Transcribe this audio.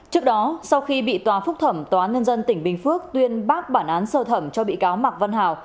trước đó sau khi bị tòa phúc thẩm tòa án nhân dân tỉnh bình phước tuyên bác bản án sơ thẩm cho bị cáo mạc văn hào